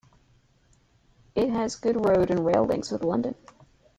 It has good road and rail links with London.